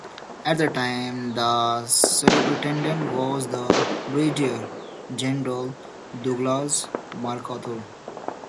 At the time, the superintendent was Brigadier General Douglas MacArthur.